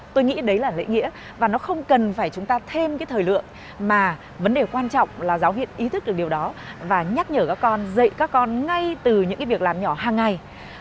tôi nghĩ đấy là lễ nghĩa và nó không cần phải chúng ta thêm cái thời lượng mà vấn đề quan trọng là giáo viên ý thức được điều đó và nhắc nhở các con dạy các con ngay từ những cái việc làm nhỏ hàng ngày